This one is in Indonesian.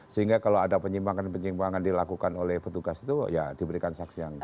sehingga kalau ada penyimpangan penyimpangan dilakukan oleh petugas itu ya diberikan saksi yang lain